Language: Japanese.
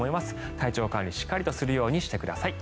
体調管理をしっかりするようにしてください。